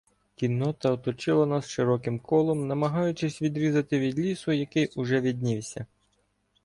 Кіннота оточила нас широким колом, намагаючись відрізати від лісу, який уже виднівся.